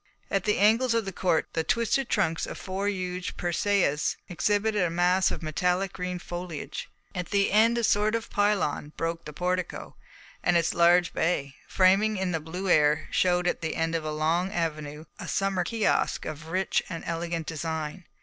At the angles of the court the twisted trunks of four huge persæas exhibited a mass of metallic green foliage. At the end a sort of pylon broke the portico, and its large bay, framing in the blue air, showed at the end of a long avenue a summer kiosk of rich and elegant design.